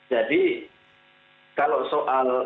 jadi kalau soal